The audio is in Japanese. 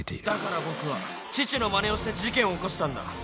「だから僕は父のまねをして事件を起こしたんだ」